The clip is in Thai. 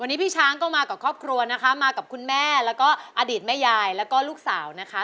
วันนี้พี่ช้างก็มากับครอบครัวนะคะมากับคุณแม่แล้วก็อดีตแม่ยายแล้วก็ลูกสาวนะคะ